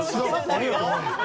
ありがとうございます。